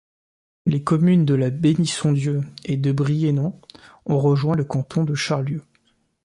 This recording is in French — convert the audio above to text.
Les communes de La Bénisson-Dieu et de Briennon ont rejoint le canton de Charlieu.